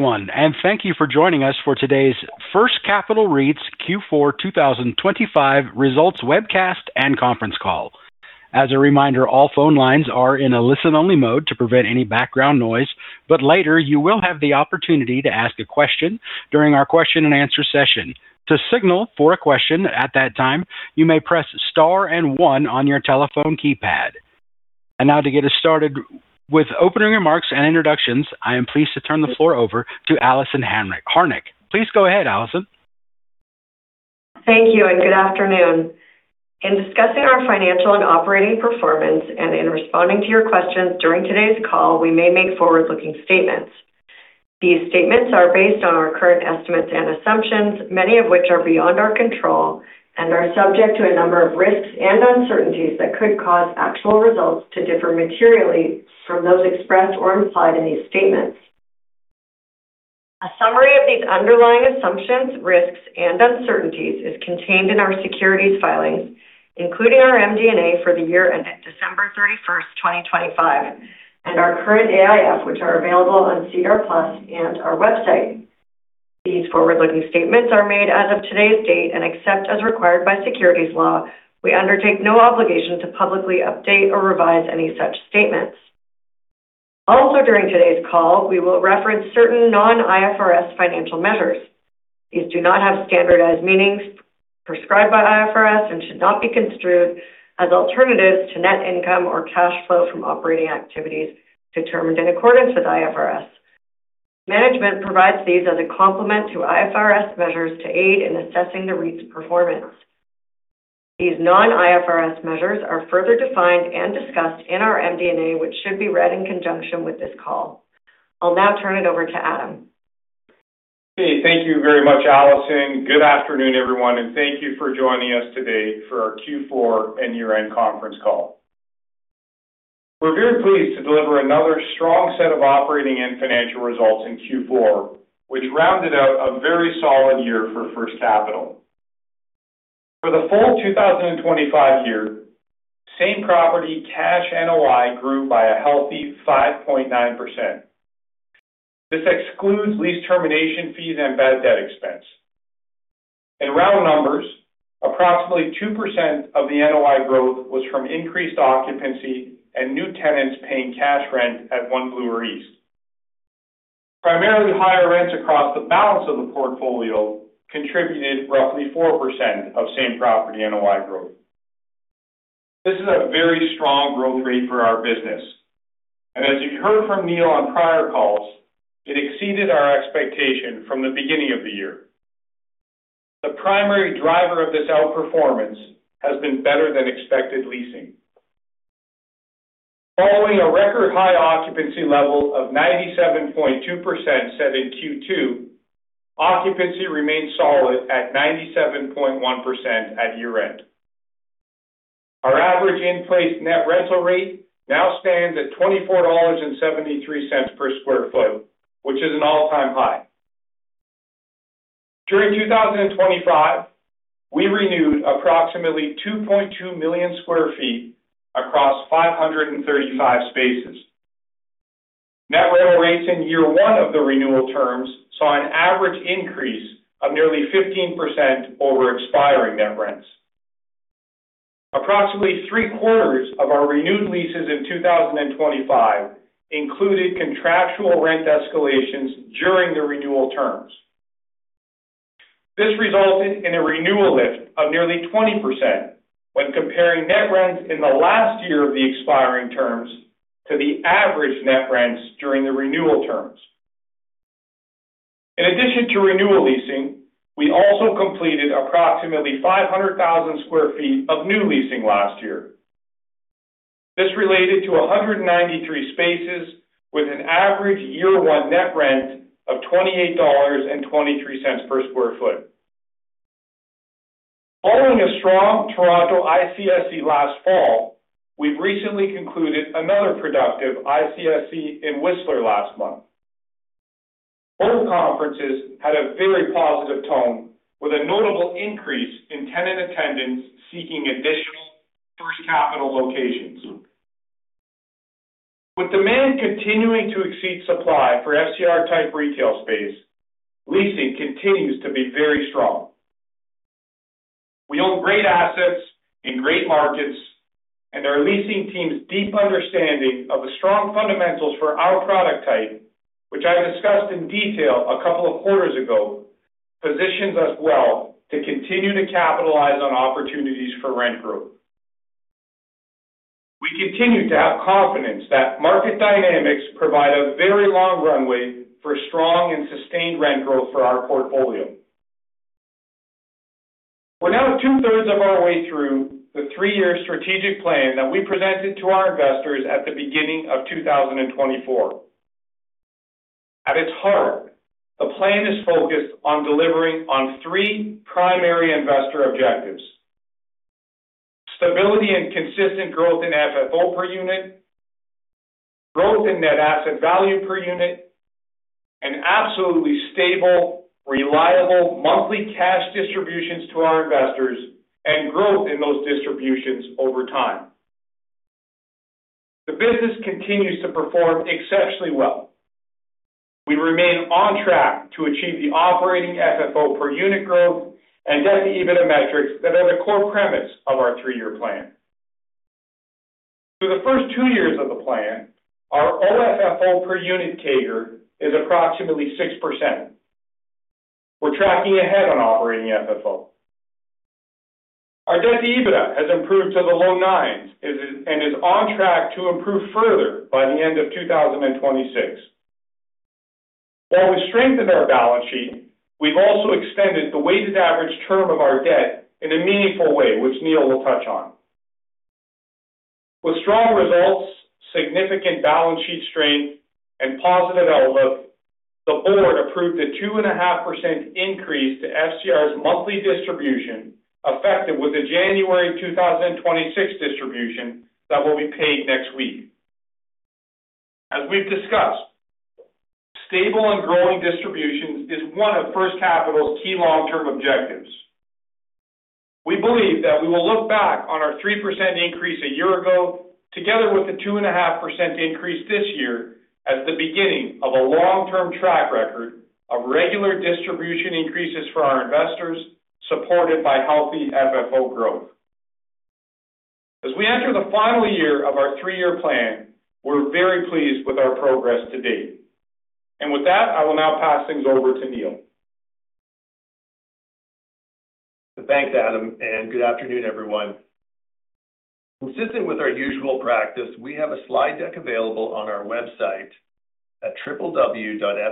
Everyone, and thank you for joining us for today's First Capital REIT's Q4 2025 results webcast and conference call. As a reminder, all phone lines are in a listen-only mode to prevent any background noise, but later you will have the opportunity to ask a question during our question-and-answer session. To signal for a question at that time, you may press star and 1 on your telephone keypad. And now to get us started with opening remarks and introductions, I am pleased to turn the floor over to Alison Harnick. Please go ahead, Alison. Thank you, and good afternoon. In discussing our financial and operating performance and in responding to your questions during today's call, we may make forward-looking statements. These statements are based on our current estimates and assumptions, many of which are beyond our control and are subject to a number of risks and uncertainties that could cause actual results to differ materially from those expressed or implied in these statements. A summary of these underlying assumptions, risks, and uncertainties is contained in our securities filings, including our MD&A for the year ended December 31st, 2025, and our current AIF, which are available on SEDAR+ and our website. These forward-looking statements are made as of today's date, and except as required by securities law, we undertake no obligation to publicly update or revise any such statements. Also during today's call, we will reference certain non-IFRS financial measures. These do not have standardized meanings prescribed by IFRS and should not be construed as alternatives to net income or cash flow from operating activities determined in accordance with IFRS. Management provides these as a complement to IFRS measures to aid in assessing the REIT's performance. These non-IFRS measures are further defined and discussed in our MD&A, which should be read in conjunction with this call. I'll now turn it over to Adam. Okay. Thank you very much, Alison. Good afternoon, everyone, and thank you for joining us today for our Q4 and year-end conference call. We're very pleased to deliver another strong set of operating and financial results in Q4, which rounded out a very solid year for First Capital. For the full 2025 year, same property cash NOI grew by a healthy 5.9%. This excludes lease termination fees and bad debt expense. In round numbers, approximately 2% of the NOI growth was from increased occupancy and new tenants paying cash rent at One Bloor East. Primarily higher rents across the balance of the portfolio contributed roughly 4% of same property NOI growth. This is a very strong growth rate for our business, and as you heard from Neil on prior calls, it exceeded our expectation from the beginning of the year. The primary driver of this outperformance has been better-than-expected leasing. Following a record-high occupancy level of 97.2% set in Q2, occupancy remained solid at 97.1% at year-end. Our average in-place net rental rate now stands at 24.73 dollars per sq ft, which is an all-time high. During 2025, we renewed approximately 2.2 million sq ft across 535 spaces. Net rental rates in year one of the renewal terms saw an average increase of nearly 15% over expiring net rents. Approximately three-quarters of our renewed leases in 2025 included contractual rent escalations during the renewal terms. This resulted in a renewal lift of nearly 20% when comparing net rents in the last year of the expiring terms to the average net rents during the renewal terms. In addition to renewal leasing, we also completed approximately 500,000 sq ft of new leasing last year. This related to 193 spaces with an average year-one net rent of CAD 28.23 per sq ft. Following a strong Toronto ICSC last fall, we've recently concluded another productive ICSC in Whistler last month. Both conferences had a very positive tone with a notable increase in tenant attendance seeking additional First Capital locations. With demand continuing to exceed supply for FCR-type retail space, leasing continues to be very strong. We own great assets in great markets, and our leasing team's deep understanding of the strong fundamentals for our product type, which I discussed in detail a couple of quarters ago, positions us well to continue to capitalize on opportunities for rent growth. We continue to have confidence that market dynamics provide a very long runway for strong and sustained rent growth for our portfolio. We're now two-thirds of our way through the three-year strategic plan that we presented to our investors at the beginning of 2024. At its heart, the plan is focused on delivering on three primary investor objectives: stability and consistent growth in FFO per unit, growth in net asset value per unit, and absolutely stable, reliable monthly cash distributions to our investors, and growth in those distributions over time. The business continues to perform exceptionally well. We remain on track to achieve the operating FFO per unit growth and debt-to-EBITDA metrics that are the core premise of our three-year plan. Through the first two years of the plan, our OFFO per unit CAGR is approximately 6%. We're tracking ahead on operating FFO. Our debt-to-EBITDA has improved to the low 9s and is on track to improve further by the end of 2026. While we've strengthened our balance sheet, we've also extended the weighted average term of our debt in a meaningful way, which Neil will touch on. With strong results, significant balance sheet strength, and positive outlook, the board approved a 2.5% increase to FCR's monthly distribution effective with the January 2026 distribution that will be paid next week. As we've discussed, stable and growing distributions is one of First Capital's key long-term objectives. We believe that we will look back on our 3% increase a year ago together with the 2.5% increase this year as the beginning of a long-term track record of regular distribution increases for our investors supported by healthy FFO growth. As we enter the final year of our three-year plan, we're very pleased with our progress to date. With that, I will now pass things over to Neil. Thanks, Adam, and good afternoon, everyone. Consistent with our usual practice, we have a slide deck available on our website at www.fcr.ca.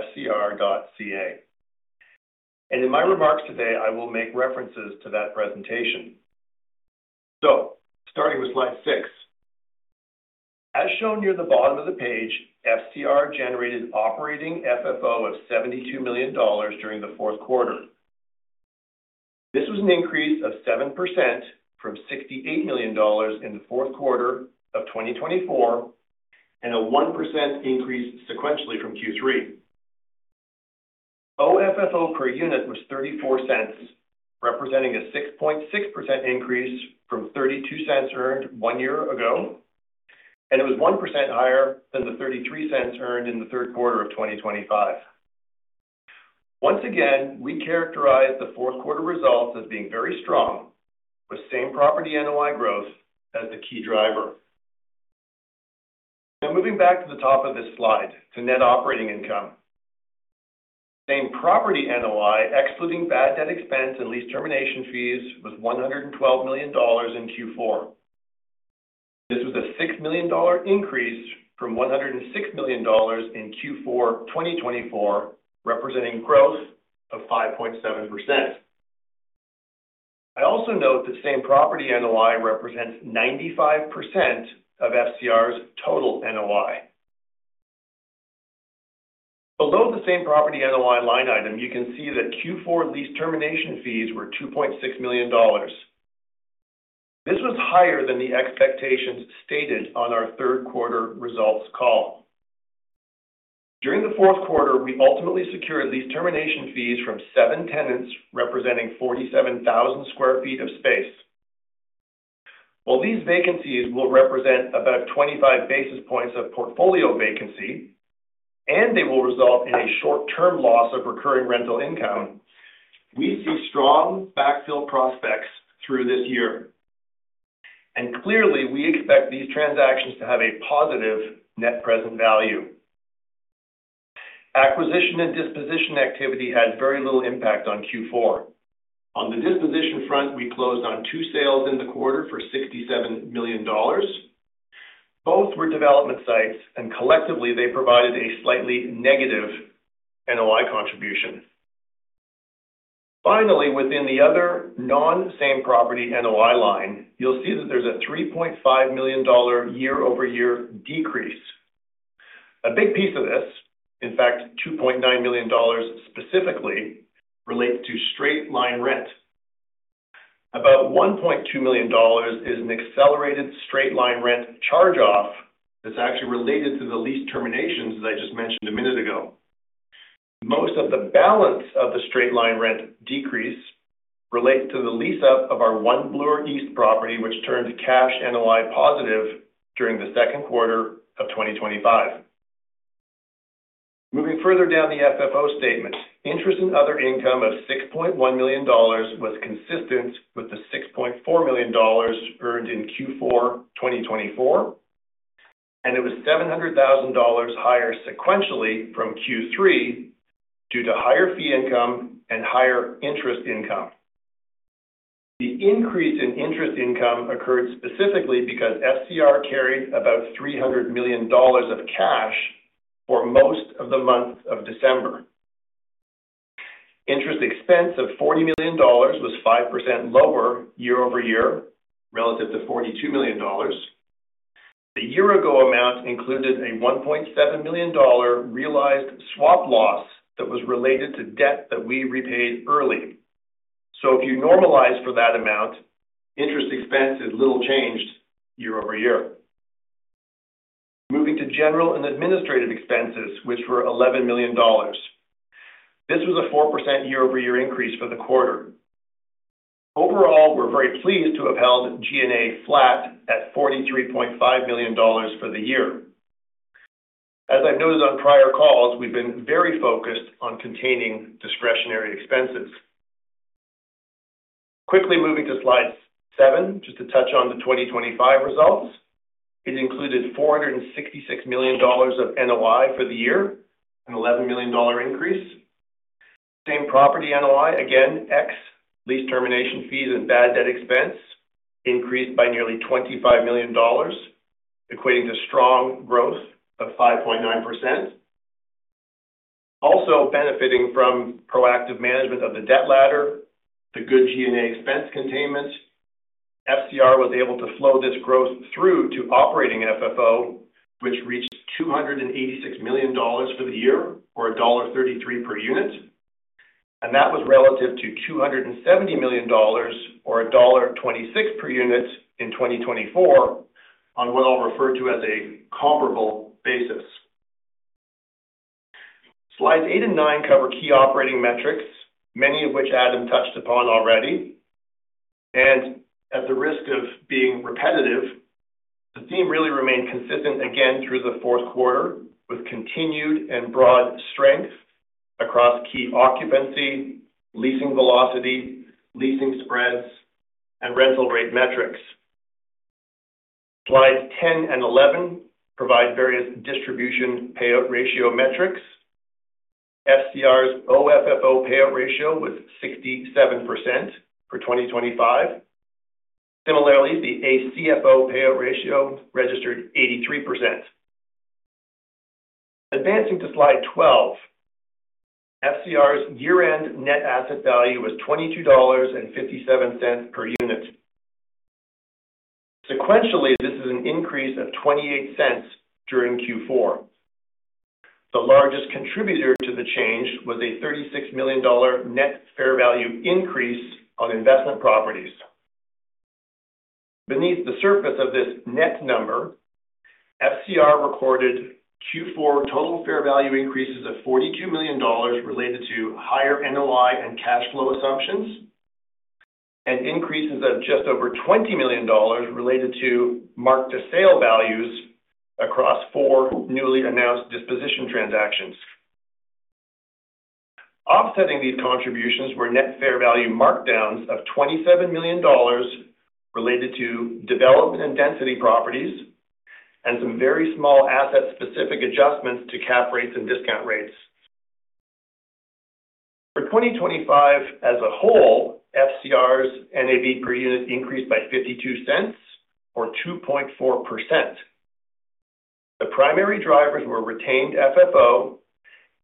And in my remarks today, I will make references to that presentation. Starting with slide 6. As shown near the bottom of the page, FCR generated operating FFO of 72 million dollars during the fourth quarter. This was an increase of 7% from 68 million dollars in the fourth quarter of 2024 and a 1% increase sequentially from Q3. OFFO per unit was 0.34, representing a 6.6% increase from 0.32 earned one year ago, and it was 1% higher than the 0.33 earned in the third quarter of 2025. Once again, we characterize the fourth quarter results as being very strong, with Same Property NOI growth as the key driver. Now moving back to the top of this slide to Net Operating Income. Same property NOI excluding bad debt expense and lease termination fees was 112 million dollars in Q4. This was a 6 million dollar increase from 106 million dollars in Q4 2024, representing growth of 5.7%. I also note that same property NOI represents 95% of FCR's total NOI. Below the same property NOI line item, you can see that Q4 lease termination fees were 2.6 million dollars. This was higher than the expectations stated on our third quarter results call. During the fourth quarter, we ultimately secured lease termination fees from seven tenants representing 47,000 sq ft of space. While these vacancies will represent about 25 basis points of portfolio vacancy and they will result in a short-term loss of recurring rental income, we see strong backfill prospects through this year. Clearly, we expect these transactions to have a positive net present value. Acquisition and disposition activity had very little impact on Q4. On the disposition front, we closed on two sales in the quarter for 67 million dollars. Both were development sites, and collectively, they provided a slightly negative NOI contribution. Finally, within the other non-same property NOI line, you'll see that there's a 3.5 million dollar year-over-year decrease. A big piece of this, in fact, 2.9 million dollars specifically, relates to Straight Line Rent. About 1.2 million dollars is an accelerated Straight Line Rent charge-off that's actually related to the lease terminations that I just mentioned a minute ago. Most of the balance of the Straight Line Rent decrease relates to the lease-up of our One Bloor East property, which turned cash NOI positive during the second quarter of 2025. Moving further down the FFO statement, interest in other income of 6.1 million dollars was consistent with the 6.4 million dollars earned in Q4 2024, and it was 700,000 dollars higher sequentially from Q3 due to higher fee income and higher interest income. The increase in interest income occurred specifically because FCR carried about 300 million dollars of cash for most of the month of December. Interest expense of 40 million dollars was 5% lower year-over-year relative to 42 million dollars. The year-ago amount included a 1.7 million dollar realized swap loss that was related to debt that we repaid early. So if you normalize for that amount, interest expense is little changed year-over-year. Moving to general and administrative expenses, which were 11 million dollars. This was a 4% year-over-year increase for the quarter. Overall, we're very pleased to have held G&A flat at 43.5 million dollars for the year. As I've noted on prior calls, we've been very focused on containing discretionary expenses. Quickly moving to slide 7 just to touch on the 2025 results. It included 466 million dollars of NOI for the year, a 11 million dollar increase. Same property NOI, again, ex lease termination fees and bad debt expense increased by nearly 25 million dollars, equating to strong growth of 5.9%. Also benefiting from proactive management of the debt ladder, the good G&A expense containment, FCR was able to flow this growth through to operating FFO, which reached 286 million dollars for the year or dollar 1.33 per unit. And that was relative to 270 million dollars or dollar 1.26 per unit in 2024 on what I'll refer to as a comparable basis. Slides 8 and 9 cover key operating metrics, many of which Adam touched upon already. At the risk of being repetitive, the theme really remained consistent again through the fourth quarter with continued and broad strength across key occupancy, leasing velocity, leasing spreads, and rental rate metrics. Slides 10 and 11 provide various distribution payout ratio metrics. FCR's OFFO payout ratio was 67% for 2025. Similarly, the ACFO payout ratio registered 83%. Advancing to slide 12, FCR's year-end net asset value was 22.57 per unit. Sequentially, this is an increase of 0.28 during Q4. The largest contributor to the change was a 36 million dollar net fair value increase on investment properties. Beneath the surface of this net number, FCR recorded Q4 total fair value increases of 42 million dollars related to higher NOI and cash flow assumptions and increases of just over 20 million dollars related to marked-to-sale values across four newly announced disposition transactions. Offsetting these contributions were net fair value markdowns of 27 million dollars related to development and density properties and some very small asset-specific adjustments to cap rates and discount rates. For 2025 as a whole, FCR's NAV per unit increased by 0.52 or 2.4%. The primary drivers were retained FFO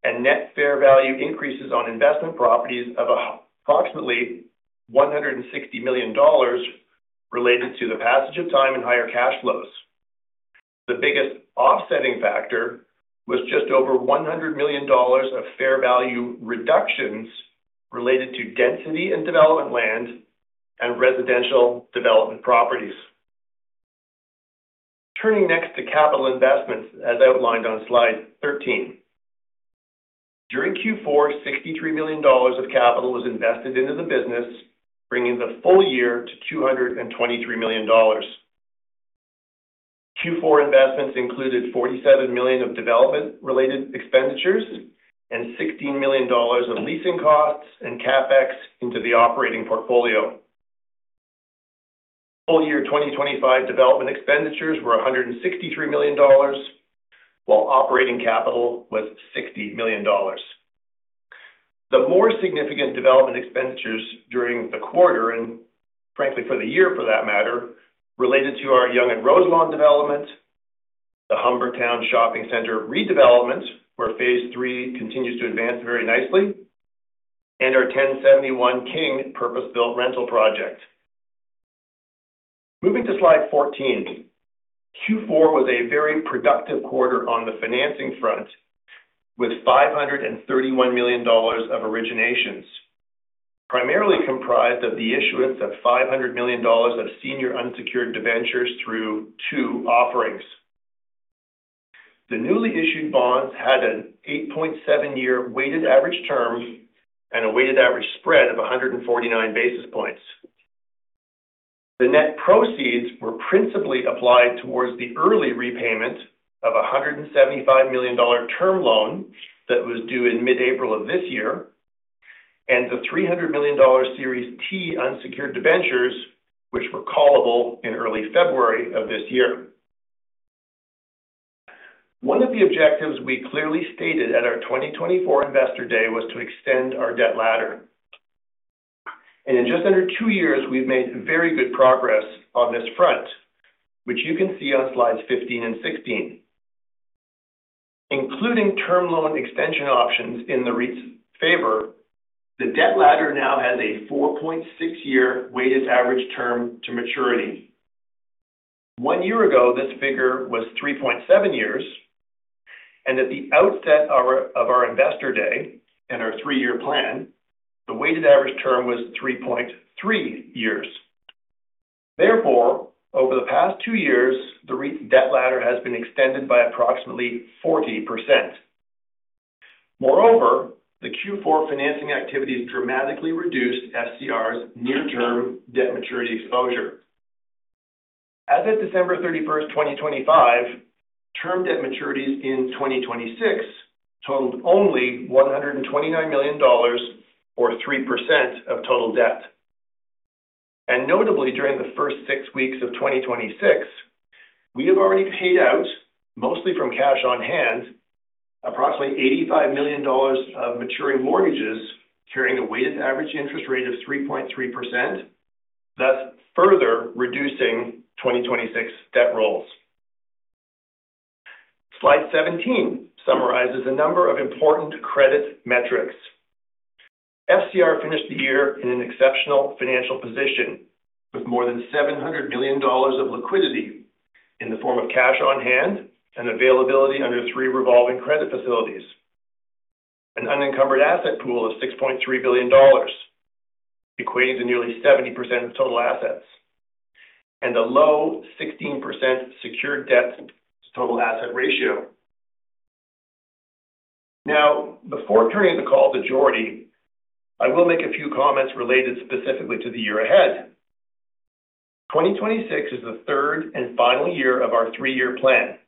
and net fair value increases on investment properties of approximately 160 million dollars related to the passage of time and higher cash flows. The biggest offsetting factor was just over 100 million dollars of fair value reductions related to density and development land and residential development properties. Turning next to capital investments, as outlined on slide 13. During Q4, 63 million dollars of capital was invested into the business, bringing the full year to 223 million dollars. Q4 investments included 47 million of development-related expenditures and 16 million dollars of leasing costs and CapEx into the operating portfolio. Full year 2025 development expenditures were 163 million dollars, while operating capital was 60 million dollars. The more significant development expenditures during the quarter and frankly, for the year for that matter, related to our Yonge & Roselawn development, the Humbertown Shopping Center redevelopment, where phase three continues to advance very nicely, and our 1071 King purpose-built rental project. Moving to slide 14. Q4 was a very productive quarter on the financing front with 531 million dollars of originations, primarily comprised of the issuance of 500 million dollars of senior unsecured debentures through two offerings. The newly issued bonds had an 8.7-year weighted average term and a weighted average spread of 149 basis points. The net proceeds were principally applied towards the early repayment of a 175 million dollar term loan that was due in mid-April of this year and the 300 million dollar Series T Unsecured Debentures, which were callable in early February of this year. One of the objectives we clearly stated at our 2024 Investor Day was to extend our debt ladder. In just under two years, we've made very good progress on this front, which you can see on slides 15 and 16. Including term loan extension options in the REIT's favor, the debt ladder now has a 4.6-year weighted average term to maturity. One year ago, this figure was 3.7 years. At the outset of our Investor Day and our three-year plan, the weighted average term was 3.3 years. Therefore, over the past two years, the REIT's debt ladder has been extended by approximately 40%. Moreover, the Q4 financing activities dramatically reduced FCR's near-term debt maturity exposure. As of December 31st, 2025, term debt maturities in 2026 totaled only 129 million dollars or 3% of total debt. Notably, during the first six weeks of 2026, we have already paid out, mostly from cash on hand, approximately 85 million dollars of maturing mortgages carrying a weighted average interest rate of 3.3%, thus further reducing 2026 debt rolls. Slide 17 summarizes a number of important credit metrics. FCR finished the year in an exceptional financial position with more than 700 million dollars of liquidity in the form of cash on hand and availability under three revolving credit facilities, an unencumbered asset pool of 6.3 billion dollars, equating to nearly 70% of total assets, and a low 16% secured debt to total asset ratio. Now, before turning the call to Jordan, I will make a few comments related specifically to the year ahead. 2026 is the third and final year of our three-year plan.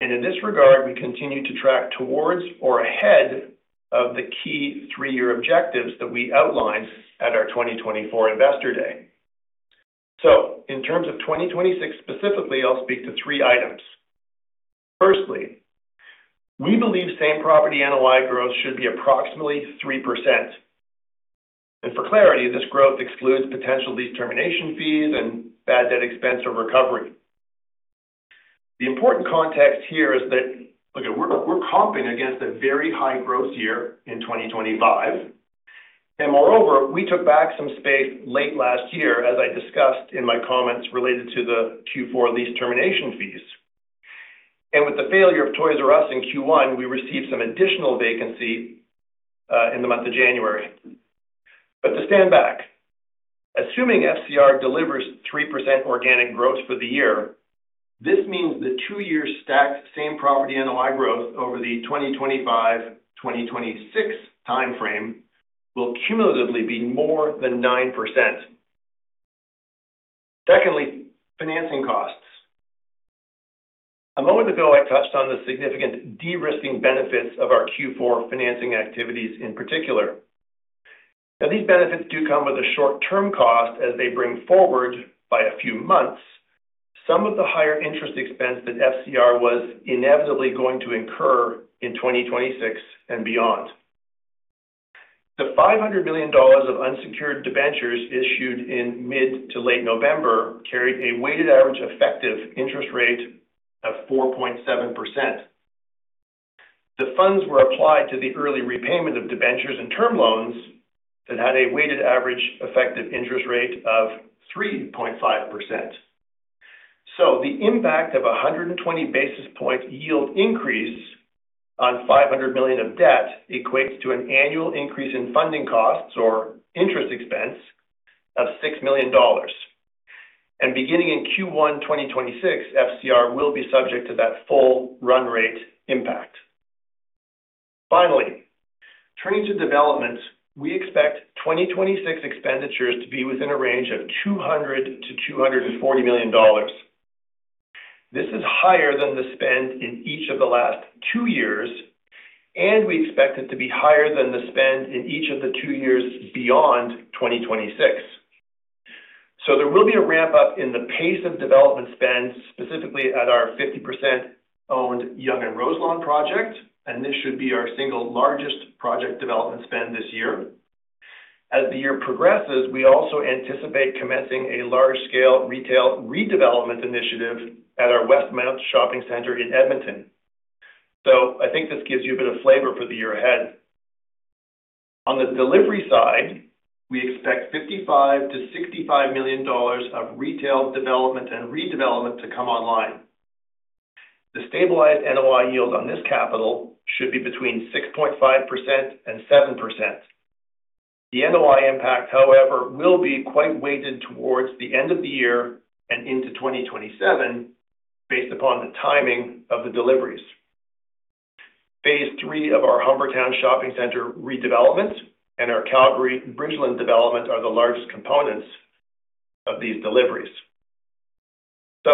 In this regard, we continue to track towards or ahead of the key three-year objectives that we outlined at our 2024 Investor Day. In terms of 2026 specifically, I'll speak to three items. Firstly, we believe Same Property NOI growth should be approximately 3%. For clarity, this growth excludes potential lease termination fees and bad debt expense or recovery. The important context here is that look it, we're comping against a very high growth year in 2025. Moreover, we took back some space late last year, as I discussed in my comments related to the Q4 lease termination fees. With the failure of Toys "R" Us in Q1, we received some additional vacancy in the month of January. But to stand back, assuming FCR delivers 3% organic growth for the year, this means the two-year stacked same property NOI growth over the 2025-2026 timeframe will cumulatively be more than 9%. Secondly, financing costs. A moment ago, I touched on the significant de-risking benefits of our Q4 financing activities in particular. Now, these benefits do come with a short-term cost as they bring forward, by a few months, some of the higher interest expense that FCR was inevitably going to incur in 2026 and beyond. The 500 million dollars of unsecured debentures issued in mid to late November carried a weighted average effective interest rate of 4.7%. The funds were applied to the early repayment of debentures and term loans that had a weighted average effective interest rate of 3.5%. So the impact of a 120 basis point yield increase on 500 million of debt equates to an annual increase in funding costs or interest expense of 6 million dollars. Beginning in Q1 2026, FCR will be subject to that full run rate impact. Finally, turning to development, we expect 2026 expenditures to be within a range of 200 million-240 million dollars. This is higher than the spend in each of the last two years, and we expect it to be higher than the spend in each of the two years beyond 2026. There will be a ramp-up in the pace of development spend, specifically at our 50%-owned Yonge & Roselawn project. This should be our single largest project development spend this year. As the year progresses, we also anticipate commencing a large-scale retail redevelopment initiative at our Westmount Shopping Center in Edmonton. I think this gives you a bit of flavor for the year ahead. On the delivery side, we expect 55 million-65 million dollars of retail development and redevelopment to come online. The stabilized NOI yield on this capital should be between 6.5%-7%. The NOI impact, however, will be quite weighted towards the end of the year and into 2027 based upon the timing of the deliveries. Phase three of our Humbertown Shopping Centre redevelopment and our Calgary Bridgeland development are the largest components of these deliveries. This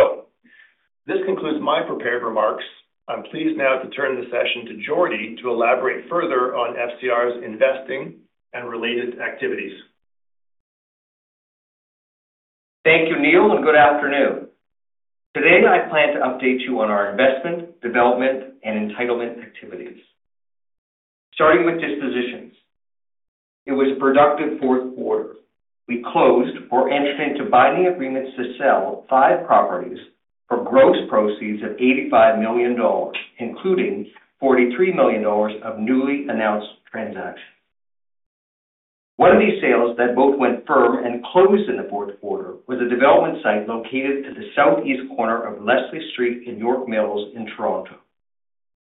concludes my prepared remarks. I'm pleased now to turn the session to Jory to elaborate further on FCR's investing and related activities. Thank you, Neil, and good afternoon. Today, I plan to update you on our investment, development, and entitlement activities. Starting with dispositions, it was a productive fourth quarter. We closed or entered into binding agreements to sell 5 properties for gross proceeds of 85 million dollars, including 43 million dollars of newly announced transactions. One of these sales that both went firm and closed in the fourth quarter was a development site located at the southeast corner of Leslie Street in York Mills in Toronto.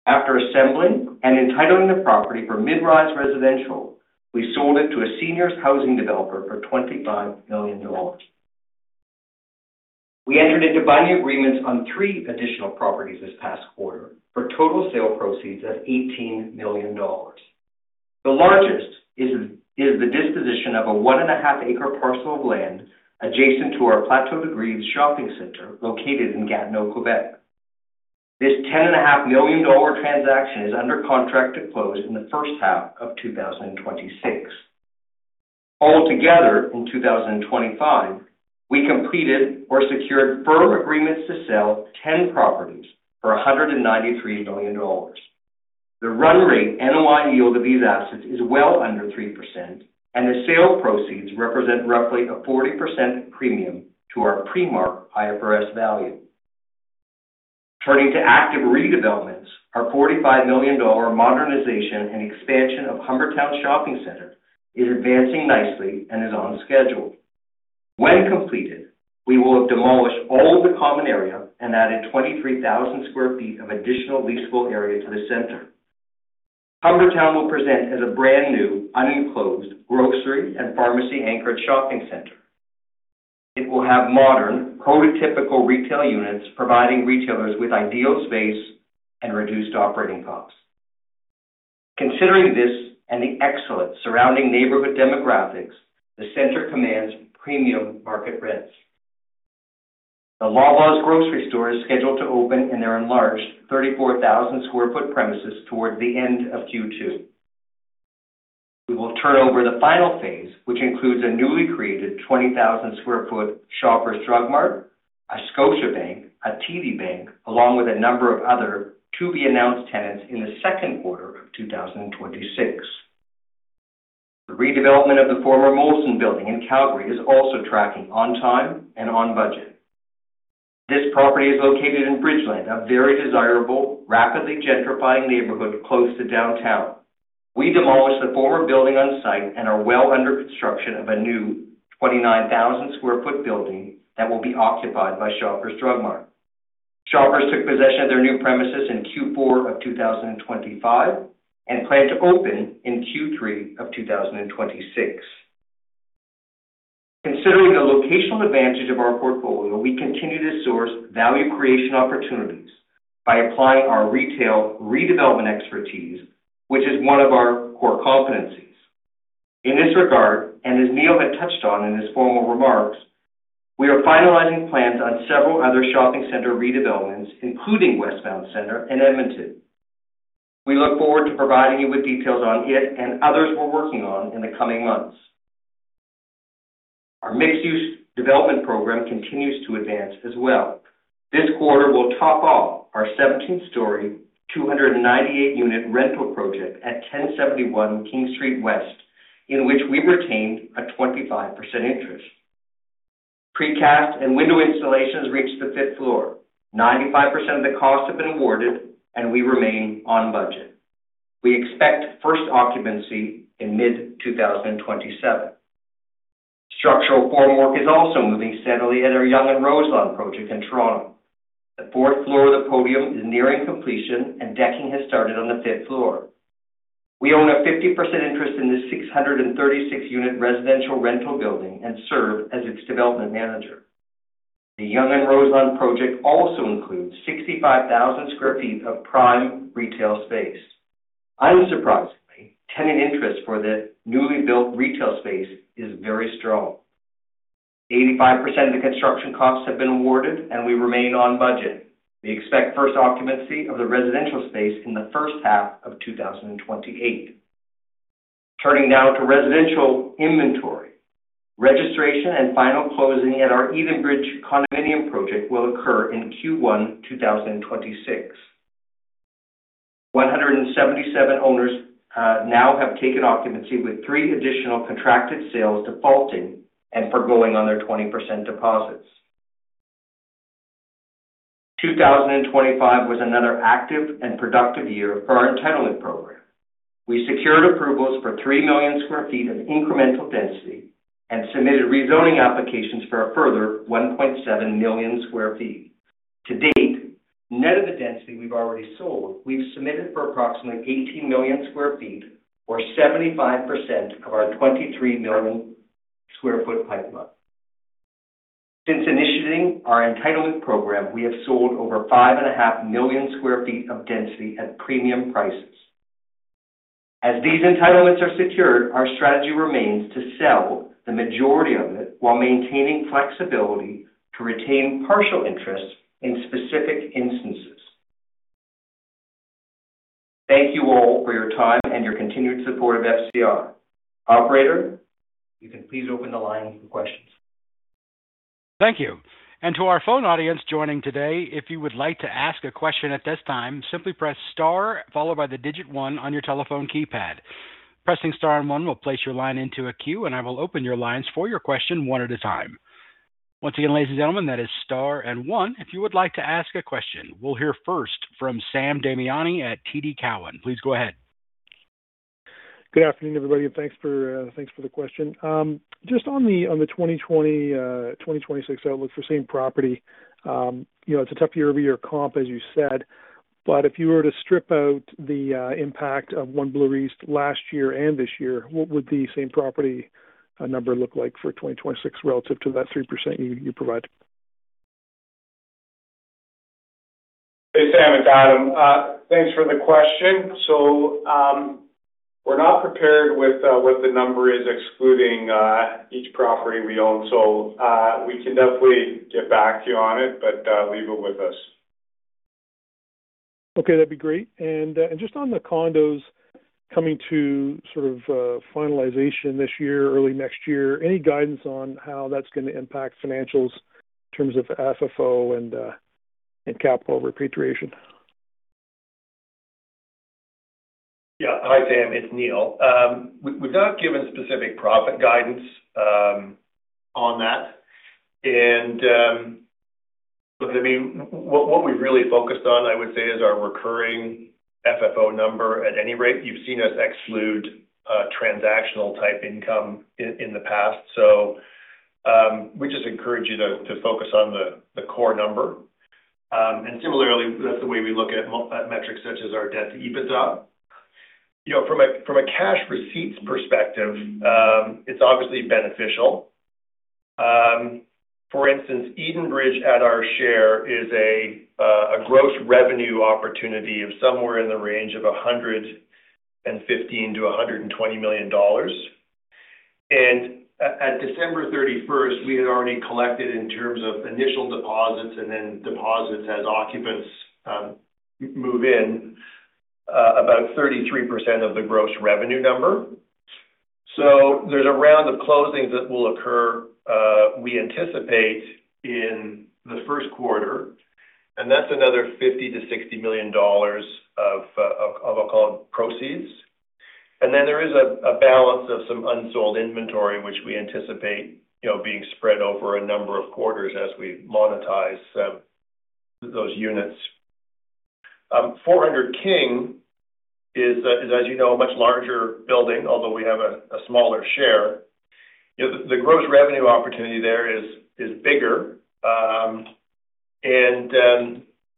After assembling and entitling the property for mid-rise residential, we sold it to a seniors housing developer for 25 million dollars. We entered into binding agreements on 3 additional properties this past quarter for total sale proceeds of 18 million dollars. The largest is the disposition of a 1.5-acre parcel of land adjacent to our Plateau des Grives shopping center located in Gatineau, Quebec. This 10.5 million dollar transaction is under contract to close in the first half of 2026. Altogether, in 2025, we completed or secured firm agreements to sell 10 properties for 193 million dollars. The run rate NOI yield of these assets is well under 3%, and the sale proceeds represent roughly a 40% premium to our pre-marked IFRS value. Turning to active redevelopments, our 45 million dollar modernization and expansion of Humbertown Shopping Centre is advancing nicely and is on schedule. When completed, we will have demolished all of the common area and added 23,000 sq ft of additional leasable area to the center. Humbertown will present as a brand new, unenclosed, grocery and pharmacy-anchored shopping center. It will have modern, prototypical retail units providing retailers with ideal space and reduced operating costs. Considering this and the excellent surrounding neighborhood demographics, the center commands premium market rents. The Loblaws grocery store is scheduled to open in their enlarged 34,000 sq ft premises towards the end of Q2. We will turn over the final phase, which includes a newly created 20,000 sq ft Shoppers Drug Mart, a Scotiabank, a TD Bank, along with a number of other to-be-announced tenants in the second quarter of 2026. The redevelopment of the former Molson building in Calgary is also tracking on time and on budget. This property is located in Bridgeland, a very desirable, rapidly gentrifying neighborhood close to downtown. We demolished the former building on site and are well under construction of a new 29,000 sq ft building that will be occupied by Shoppers Drug Mart. Shoppers took possession of their new premises in Q4 of 2025 and plan to open in Q3 of 2026. Considering the locational advantage of our portfolio, we continue to source value creation opportunities by applying our retail redevelopment expertise, which is one of our core competencies. In this regard, and as Neil had touched on in his formal remarks, we are finalizing plans on several other shopping center redevelopments, including Westmount Shopping Centre in Edmonton. We look forward to providing you with details on it and others we're working on in the coming months. Our mixed-use development program continues to advance as well. This quarter, we'll top off our 17-story, 298-unit rental project at 1071 King Street West, in which we've retained a 25% interest. Precast and window installations reached the fifth floor. 95% of the costs have been awarded, and we remain on budget. We expect first occupancy in mid-2027. Structural formwork is also moving steadily at our Yonge & Roselawn project in Toronto. The fourth floor of the podium is nearing completion, and decking has started on the fifth floor. We own a 50% interest in this 636-unit residential rental building and serve as its development manager. The Yonge & Roselawn project also includes 65,000 sq ft of prime retail space. Unsurprisingly, tenant interest for the newly built retail space is very strong. 85% of the construction costs have been awarded, and we remain on budget. We expect first occupancy of the residential space in the first half of 2028. Turning now to residential inventory, registration and final closing at our Edenbridge condominium project will occur in Q1 2026. 177 owners now have taken occupancy with three additional contracted sales defaulting and forgoing on their 20% deposits. 2025 was another active and productive year for our entitlement program. We secured approvals for 3 million sq ft of incremental density and submitted rezoning applications for a further 1.7 million sq ft. To date, net of the density we've already sold, we've submitted for approximately 18 million sq ft, or 75% of our 23 million sq ft pipeline. Since initiating our entitlement program, we have sold over 5.5 million sq ft of density at premium prices. As these entitlements are secured, our strategy remains to sell the majority of it while maintaining flexibility to retain partial interest in specific instances. Thank you all for your time and your continued support of FCR. Operator, you can please open the line for questions. Thank you. And to our phone audience joining today, if you would like to ask a question at this time, simply press star, followed by the digit one on your telephone keypad. Pressing star and one will place your line into a queue, and I will open your lines for your question one at a time. Once again, ladies and gentlemen, that is star and one. If you would like to ask a question, we'll hear first from Sam Damiani at TD Cowen. Please go ahead. Good afternoon, everybody, and thanks for the question. Just on the 2020-2026 outlook for same property, it's a tough year-over-year comp, as you said. But if you were to strip out the impact of One Bloor East last year and this year, what would the same property number look like for 2026 relative to that 3% you provided? Hey, Sam. It's Adam. Thanks for the question. So we're not prepared with what the number is, excluding each property we own. So we can definitely get back to you on it, but leave it with us. Okay. That'd be great. And just on the condos coming to sort of finalization this year, early next year, any guidance on how that's going to impact financials in terms of FFO and capital repatriation? Yeah. Hi, Sam. It's Neil. We've not given specific profit guidance on that. And I mean, what we've really focused on, I would say, is our recurring FFO number at any rate. You've seen us exclude transactional-type income in the past. So we just encourage you to focus on the core number. And similarly, that's the way we look at metrics such as our debt to EBITDA. From a cash receipts perspective, it's obviously beneficial. For instance, Edenbridge at our share is a gross revenue opportunity of somewhere in the range of 115 million-120 million dollars. And at December 31st, we had already collected in terms of initial deposits and then deposits as occupants move in about 33% of the gross revenue number. So there's a round of closings that will occur, we anticipate, in the first quarter. And that's another 50 million-60 million dollars of, I'll call it, proceeds. Then there is a balance of some unsold inventory, which we anticipate being spread over a number of quarters as we monetize those units. 400 King is, as you know, a much larger building, although we have a smaller share. The gross revenue opportunity there is bigger.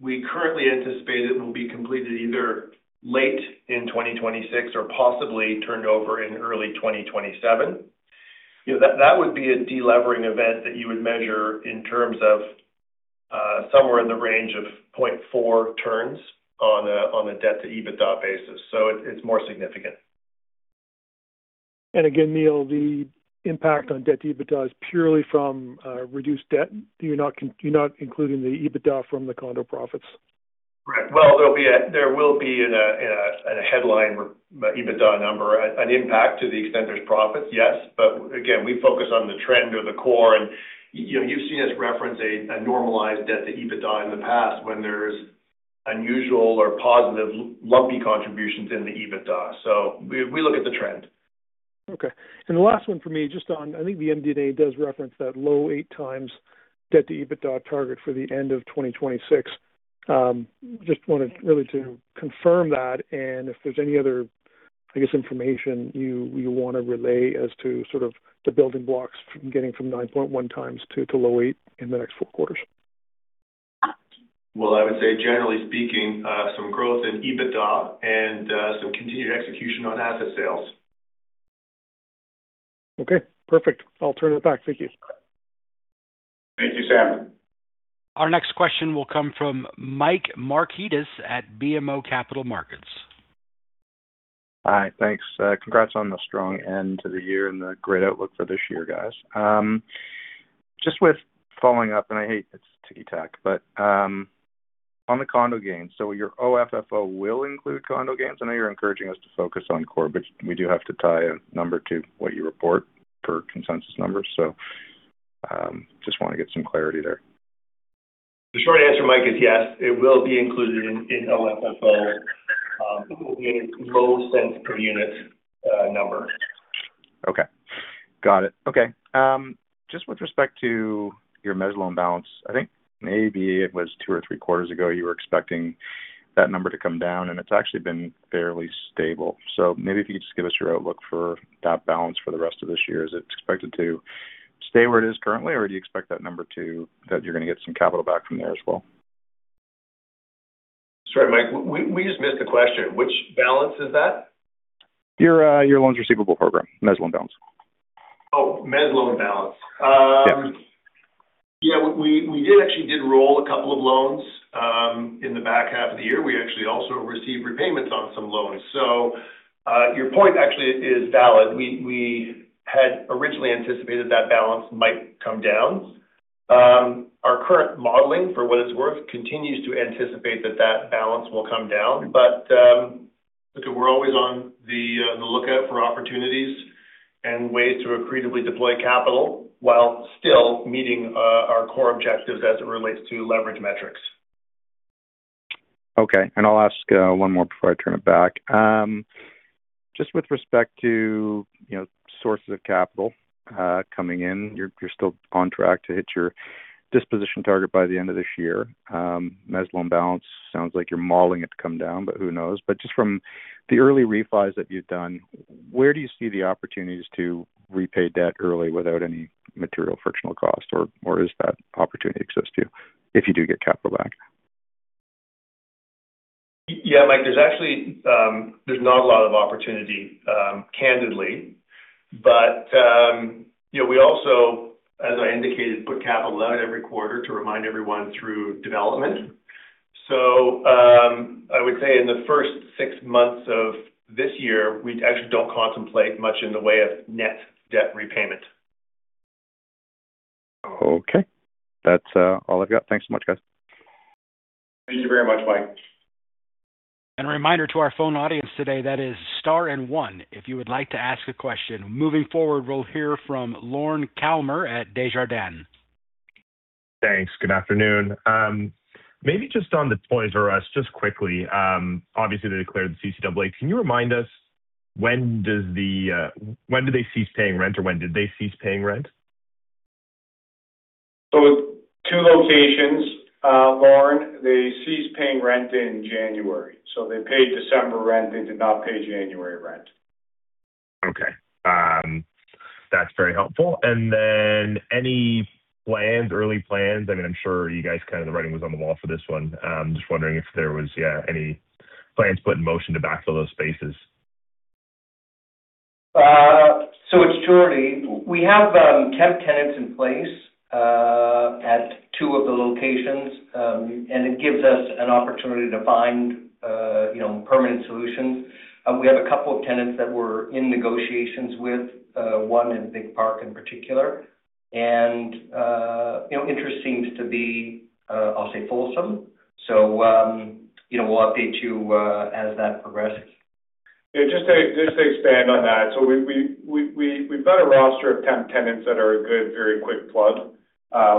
We currently anticipate it will be completed either late in 2026 or possibly turned over in early 2027. That would be a delevering event that you would measure in terms of somewhere in the range of 0.4 turns on a debt-to-EBITDA basis. It's more significant. Again, Neil, the impact on debt-to-EBITDA is purely from reduced debt? You're not including the EBITDA from the condo profits? Correct. Well, there will be in a headline EBITDA number, an impact to the extent there's profits, yes. But again, we focus on the trend or the core. And you've seen us reference a normalized debt to EBITDA in the past when there's unusual or positive lumpy contributions in the EBITDA. So we look at the trend. Okay. And the last one for me, just on I think the MD&A does reference that low 8x Debt-to-EBITDA target for the end of 2026. Just wanted really to confirm that and if there's any other, I guess, information you want to relay as to sort of the building blocks from getting from 9.1x to low 8x in the next four quarters. Well, I would say, generally speaking, some growth in EBITDA and some continued execution on asset sales. Okay. Perfect. I'll turn it back. Thank you. Thank you, Sam. Our next question will come from Mike Markidis at BMO Capital Markets. Hi. Thanks. Congrats on the strong end to the year and the great outlook for this year, guys. Just with following up, and I hate it's ticky-tack, but on the condo gains, so your OFFO will include condo gains? I know you're encouraging us to focus on core, but we do have to tie a number to what you report per consensus numbers. So just want to get some clarity there. The short answer, Mike, is yes. It will be included in OFFO, meaning low single-digit number. Okay. Got it. Okay. Just with respect to your mezzanine loan balance, I think maybe it was 2 or 3 quarters ago you were expecting that number to come down, and it's actually been fairly stable. So maybe if you could just give us your outlook for that balance for the rest of this year. Is it expected to stay where it is currently, or do you expect that number to – that you're going to get some capital back from there as well? Sorry, Mike. We just missed the question. Which balance is that? Your loans receivable program, measure loan balance. Oh, mortgage loan balance. Yeah, we actually did roll a couple of loans in the back half of the year. We actually also received repayments on some loans. So your point actually is valid. We had originally anticipated that balance might come down. Our current modeling, for what it's worth, continues to anticipate that that balance will come down. But again, we're always on the lookout for opportunities and ways to accretively deploy capital while still meeting our core objectives as it relates to leverage metrics. Okay. And I'll ask one more before I turn it back. Just with respect to sources of capital coming in, you're still on track to hit your disposition target by the end of this year. Mortgage loan balance sounds like you're managing it to come down, but who knows? But just from the early refis that you've done, where do you see the opportunities to repay debt early without any material frictional cost, or is that opportunity exists to you if you do get capital back? Yeah, Mike, there's not a lot of opportunity, candidly. But we also, as I indicated, put capital out every quarter to remind everyone through development. So I would say in the first six months of this year, we actually don't contemplate much in the way of net debt repayment. Okay. That's all I've got. Thanks so much, guys. Thank you very much, Mike. A reminder to our phone audience today, that is star and one, if you would like to ask a question. Moving forward, we'll hear from Lorne Kalmar at Desjardins. Thanks. Good afternoon. Maybe just on the points for us, just quickly. Obviously, they declared the CCAA. Can you remind us when do they cease paying rent, or when did they cease paying rent? Two locations, Lorne. They ceased paying rent in January. They paid December rent. They did not pay January rent. Okay. That's very helpful. And then any plans, early plans? I mean, I'm sure you guys kind of the writing was on the wall for this one. Just wondering if there was, yeah, any plans put in motion to backfill those spaces. So it's surely we have temp tenants in place at two of the locations, and it gives us an opportunity to find permanent solutions. We have a couple of tenants that we're in negotiations with, one in Vic Park in particular. And interest seems to be, I'll say, fulsome. So we'll update you as that progresses. Yeah. Just to expand on that, so we've got a roster of temp tenants that are a good very quick plug,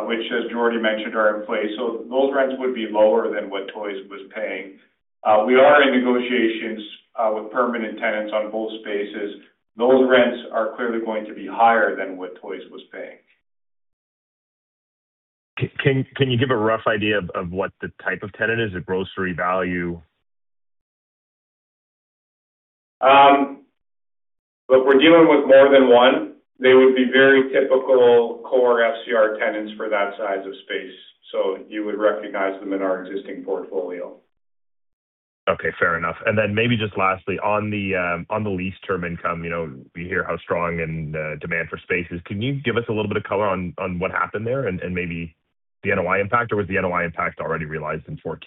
which, as Jordan mentioned, are in place. Those rents would be lower than what TOYS was paying. We are in negotiations with permanent tenants on both spaces. Those rents are clearly going to be higher than what TOYS was paying. Can you give a rough idea of what the type of tenant is? A grocery value? But we're dealing with more than one. They would be very typical core FCR tenants for that size of space. So you would recognize them in our existing portfolio. Okay. Fair enough. And then maybe just lastly, on the lease term income, we hear how strong the demand for space is. Can you give us a little bit of color on what happened there and maybe the NOI impact, or was the NOI impact already realized in Q4?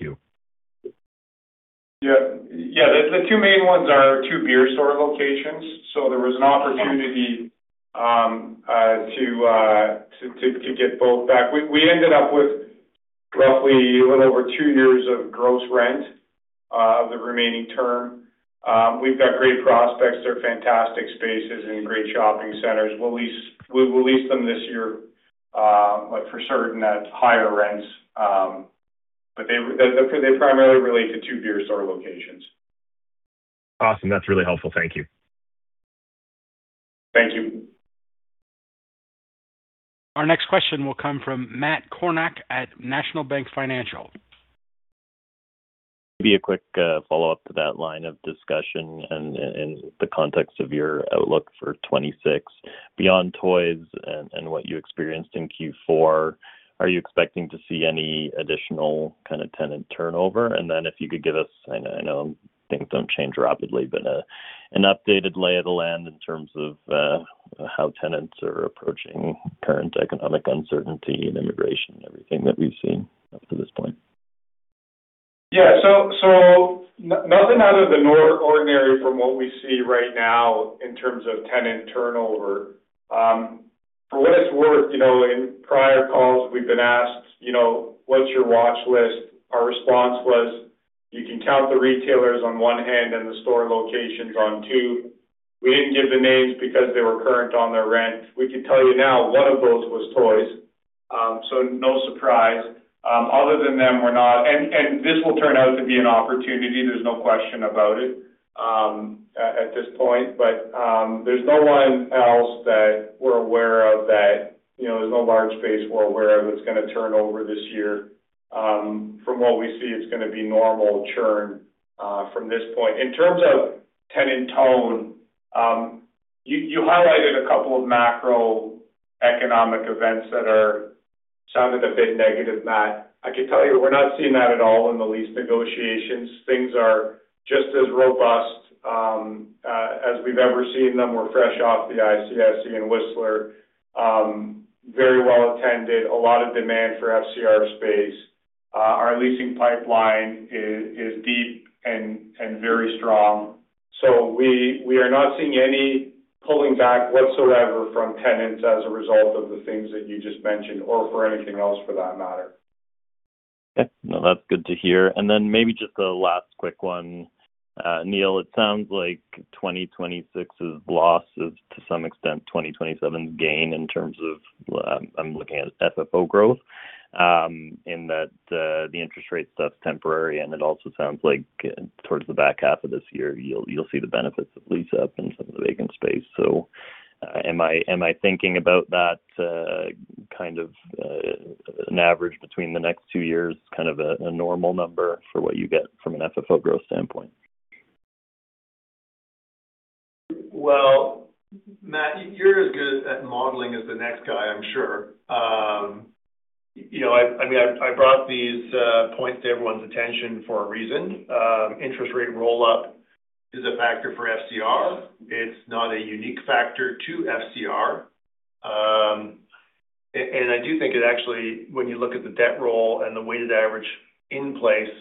Yeah. Yeah. The two main ones are two beer store locations. So there was an opportunity to get both back. We ended up with roughly a little over two years of gross rent of the remaining term. We've got great prospects. They're fantastic spaces and great shopping centers. We'll lease them this year, but for certain at higher rents. But they primarily relate to two beer store locations. Awesome. That's really helpful. Thank you. Thank you. Our next question will come from Matt Kornack at National Bank Financial. Maybe a quick follow-up to that line of discussion and the context of your outlook for 2026. Beyond TOYS and what you experienced in Q4, are you expecting to see any additional kind of tenant turnover? And then, if you could give us, I know things don't change rapidly, but, an updated lay of the land in terms of how tenants are approaching current economic uncertainty and immigration and everything that we've seen up to this point. Yeah. So nothing out of the ordinary from what we see right now in terms of tenant turnover. For what it's worth, in prior calls, we've been asked, "What's your watchlist?" Our response was, "You can count the retailers on one hand and the store locations on two." We didn't give the names because they were current on their rent. We can tell you now, one of those was Toys "R" Us. So no surprise. Other than them, we're not and this will turn out to be an opportunity. There's no question about it at this point. But there's no one else that we're aware of that there's no large space we're aware of that's going to turn over this year. From what we see, it's going to be normal churn from this point. In terms of tenant tone, you highlighted a couple of macroeconomic events that sounded a bit negative, Matt. I can tell you we're not seeing that at all in the lease negotiations. Things are just as robust as we've ever seen them. We're fresh off the ICSC and Whistler, very well attended, a lot of demand for FCR space. Our leasing pipeline is deep and very strong. We are not seeing any pulling back whatsoever from tenants as a result of the things that you just mentioned or for anything else for that matter. Okay. No, that's good to hear. And then maybe just the last quick one. Neil, it sounds like 2026's loss is to some extent 2027's gain in terms of I'm looking at FFO growth in that the interest rate stuff's temporary. And it also sounds like towards the back half of this year, you'll see the benefits of lease up in some of the vacant space. So am I thinking about that kind of an average between the next two years, kind of a normal number for what you get from an FFO growth standpoint? Well, Matt, you're as good at modeling as the next guy, I'm sure. I mean, I brought these points to everyone's attention for a reason. Interest rate roll-up is a factor for FCR. It's not a unique factor to FCR. And I do think it actually when you look at the debt roll and the weighted average in place,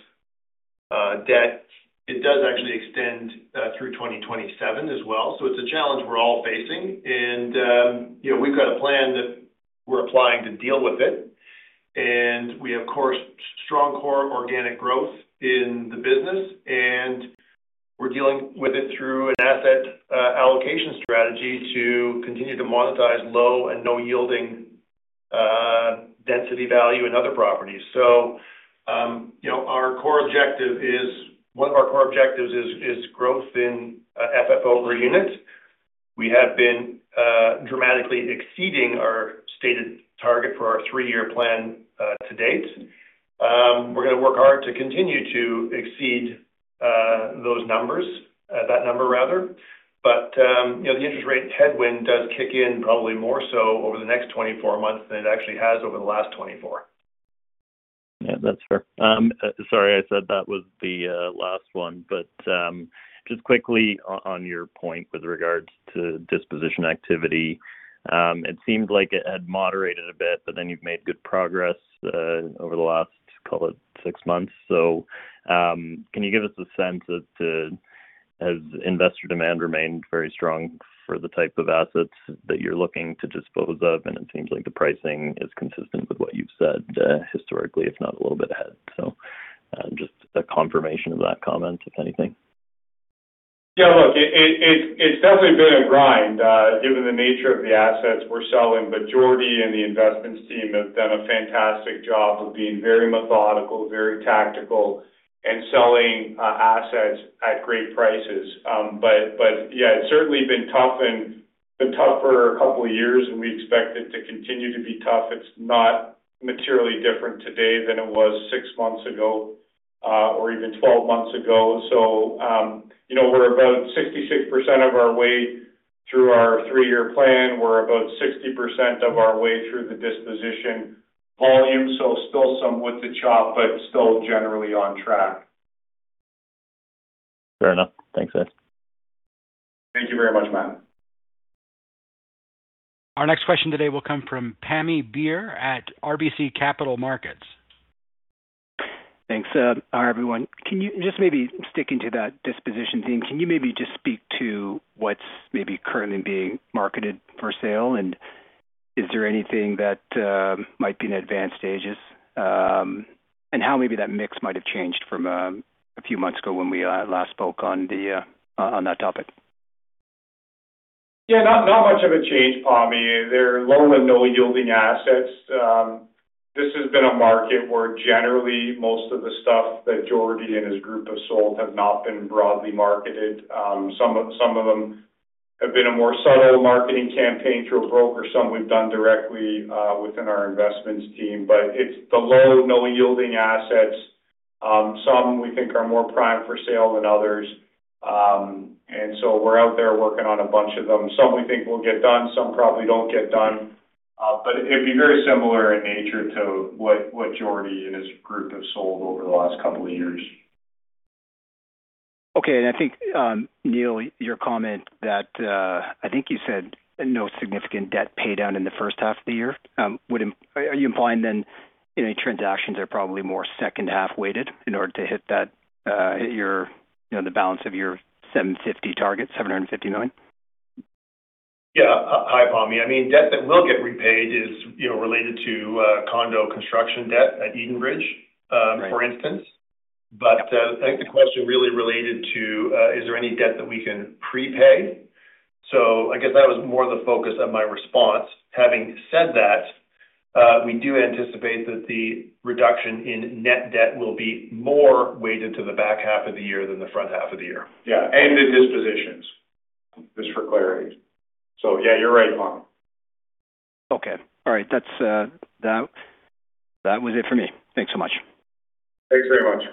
debt, it does actually extend through 2027 as well. So it's a challenge we're all facing. And we've got a plan that we're applying to deal with it. And we have, of course, strong core organic growth in the business. And we're dealing with it through an asset allocation strategy to continue to monetize low and no-yielding density value in other properties. So our core objective is one of our core objectives is growth in FFO per unit. We have been dramatically exceeding our stated target for our three-year plan to date. We're going to work hard to continue to exceed those numbers, that number, rather. But the interest rate headwind does kick in probably more so over the next 24 months than it actually has over the last 24. Yeah, that's fair. Sorry, I said that was the last one. But just quickly on your point with regards to disposition activity, it seemed like it had moderated a bit, but then you've made good progress over the last, call it, six months. So can you give us a sense that as investor demand remained very strong for the type of assets that you're looking to dispose of, and it seems like the pricing is consistent with what you've said historically, if not a little bit ahead, so just a confirmation of that comment, if anything? Yeah. Look, it's definitely been a grind given the nature of the assets we're selling. But Jordie and the investments team have done a fantastic job of being very methodical, very tactical, and selling assets at great prices. But yeah, it's certainly been tough and been tough for a couple of years, and we expect it to continue to be tough. It's not materially different today than it was six months ago or even 12 months ago. So we're about 66% of our way through our three-year plan. We're about 60% of our way through the disposition volume. So still some with the chop, but still generally on track. Fair enough. Thanks, guys. Thank you very much, Matt. Our next question today will come from Pammi Bir at RBC Capital Markets. Thanks. Hi, everyone. Just maybe sticking to that disposition theme, can you maybe just speak to what's maybe currently being marketed for sale? And is there anything that might be in advanced stages? And how maybe that mix might have changed from a few months ago when we last spoke on that topic? Yeah, not much of a change, Pammy. They're low and non-yielding assets. This has been a market where generally most of the stuff that Jordan and his group have sold have not been broadly marketed. Some of them have been a more subtle marketing campaign through a broker. Some we've done directly within our investments team. But it's the low, non-yielding assets. Some we think are more prime for sale than others. And so we're out there working on a bunch of them. Some we think will get done. Some probably don't get done. But it'd be very similar in nature to what Jordan and his group have sold over the last couple of years. Okay. I think, Neil, your comment that I think you said no significant debt paydown in the first half of the year. Are you implying then transactions are probably more second-half weighted in order to hit your balance of your 750 million target, 750 million? Yeah. Hi, Pammy. I mean, debt that will get repaid is related to condo construction debt at Edenbridge, for instance. But I think the question really related to is there any debt that we can prepay? So I guess that was more the focus of my response. Having said that, we do anticipate that the reduction in net debt will be more weighted to the back half of the year than the front half of the year. Yeah. And the dispositions, just for clarity. So yeah, you're right, Pammy. Okay. All right. That was it for me. Thanks so much. Thanks very much.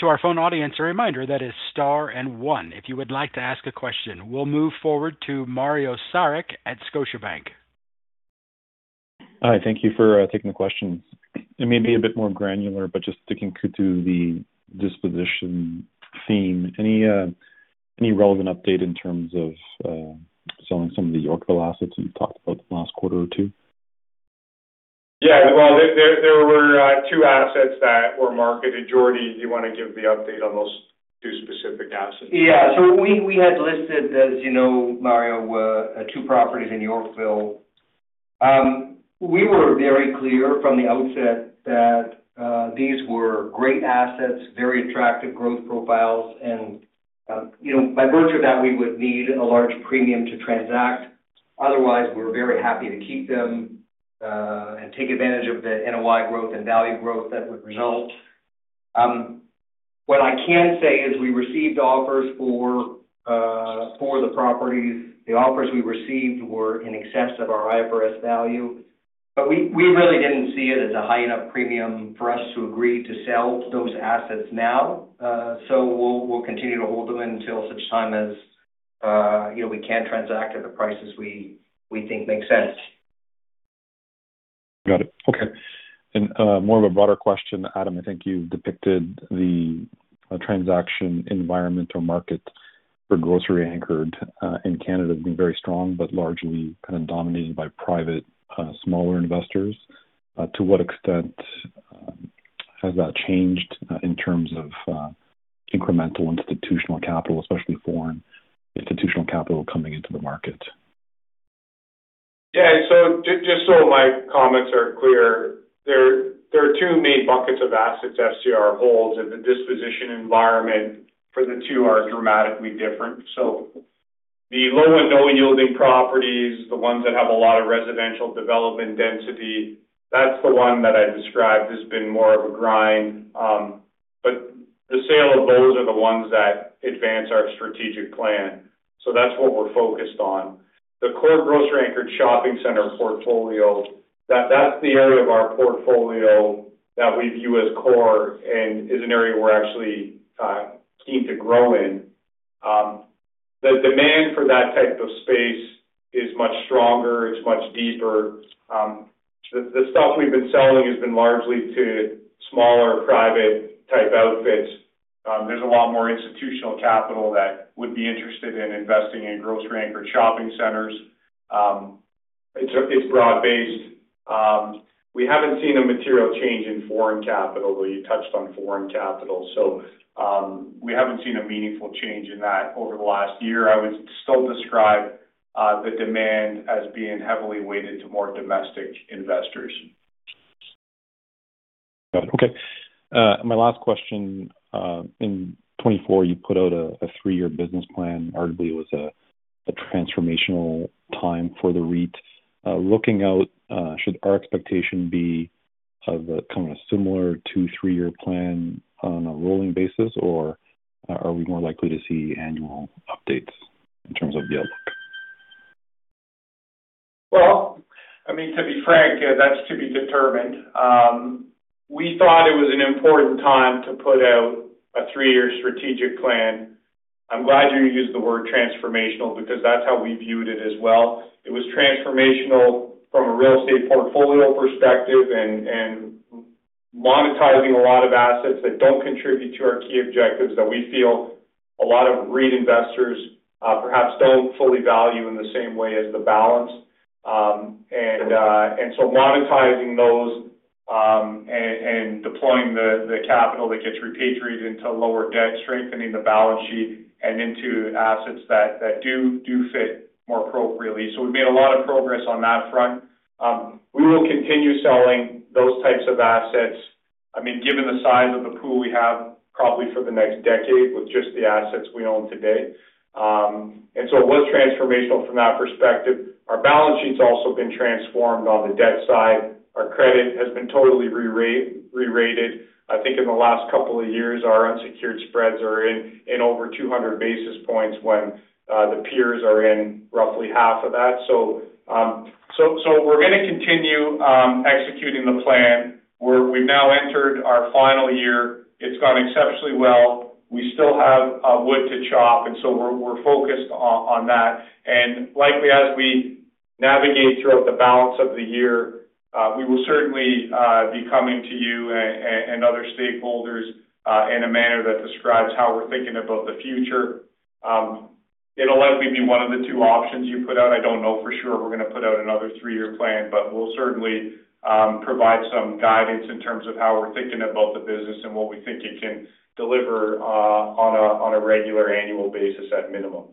To our phone audience, a reminder that is star and one. If you would like to ask a question, we'll move forward to Mario Saric at Scotiabank. Hi. Thank you for taking the question. It may be a bit more granular, but just sticking to the disposition theme. Any relevant update in terms of selling some of the Yorkville assets that you've talked about the last quarter or two? Yeah. Well, there were two assets that were marketed. Jordan, do you want to give the update on those two specific assets? Yeah. So we had listed, as Mario, two properties in Yorkville. We were very clear from the outset that these were great assets, very attractive growth profiles. By virtue of that, we would need a large premium to transact. Otherwise, we were very happy to keep them and take advantage of the NOI growth and value growth that would result. What I can say is we received offers for the properties. The offers we received were in excess of our IFRS value. We really didn't see it as a high enough premium for us to agree to sell those assets now. We'll continue to hold them until such time as we can transact at the prices we think make sense. Got it. Okay. More of a broader question, Adam. I think you've depicted the transaction environment or market for grocery anchored in Canada as being very strong but largely kind of dominated by private smaller investors. To what extent has that changed in terms of incremental institutional capital, especially foreign institutional capital coming into the market? Yeah. And so just so my comments are clear, there are two main buckets of assets FCR holds. And the disposition environment for the two are dramatically different. So the low and no-yielding properties, the ones that have a lot of residential development density, that's the one that I described as being more of a grind. But the sale of those are the ones that advance our strategic plan. So that's what we're focused on. The core grocery anchored shopping center portfolio, that's the area of our portfolio that we view as core and is an area we're actually keen to grow in. The demand for that type of space is much stronger. It's much deeper. The stuff we've been selling has been largely to smaller private-type outfits. There's a lot more institutional capital that would be interested in investing in grocery anchored shopping centers. It's broad-based. We haven't seen a material change in foreign capital, though you touched on foreign capital. So we haven't seen a meaningful change in that over the last year. I would still describe the demand as being heavily weighted to more domestic investors. Got it. Okay. My last question, in 2024, you put out a three-year business plan. Arguably, it was a transformational time for the REIT. Looking out, should our expectation be of kind of a similar two-three-year plan on a rolling basis, or are we more likely to see annual updates in terms of the outlook? Well, I mean, to be frank, that's to be determined. We thought it was an important time to put out a three-year strategic plan. I'm glad you used the word transformational because that's how we viewed it as well. It was transformational from a real estate portfolio perspective and monetizing a lot of assets that don't contribute to our key objectives that we feel a lot of REIT investors perhaps don't fully value in the same way as the balance. And so monetizing those and deploying the capital that gets repatriated into lower debt, strengthening the balance sheet, and into assets that do fit more appropriately. So we've made a lot of progress on that front. We will continue selling those types of assets, I mean, given the size of the pool we have probably for the next decade with just the assets we own today. So it was transformational from that perspective. Our balance sheet's also been transformed on the debt side. Our credit has been totally rerated. I think in the last couple of years, our unsecured spreads are in over 200 basis points when the peers are in roughly half of that. So we're going to continue executing the plan. We've now entered our final year. It's gone exceptionally well. We still have wood to chop. So we're focused on that. Likely, as we navigate throughout the balance of the year, we will certainly be coming to you and other stakeholders in a manner that describes how we're thinking about the future. It'll likely be one of the two options you put out. I don't know for sure if we're going to put out another three-year plan, but we'll certainly provide some guidance in terms of how we're thinking about the business and what we think it can deliver on a regular annual basis at minimum.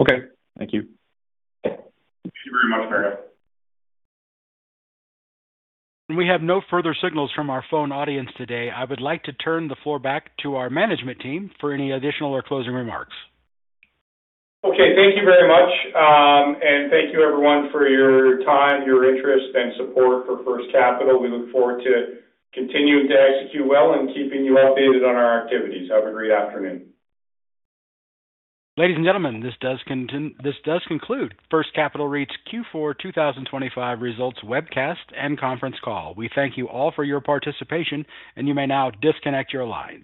Okay. Thank you. Thank you very much, Mario. We have no further signals from our phone audience today. I would like to turn the floor back to our management team for any additional or closing remarks. Okay. Thank you very much. Thank you, everyone, for your time, your interest, and support for First Capital. We look forward to continuing to execute well and keeping you updated on our activities. Have a great afternoon. Ladies and gentlemen, this does conclude First Capital REIT's Q4 2025 results webcast and conference call. We thank you all for your participation, and you may now disconnect your lines.